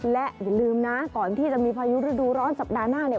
และอย่าลืมนะก่อนที่จะมีพายุฤดูร้อนสัปดาห์หน้าเนี่ย